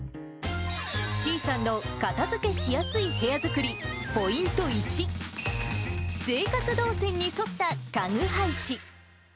ｓｅａさんの片づけしやすい部屋作り、ポイント１、生活動線に沿った家具配置。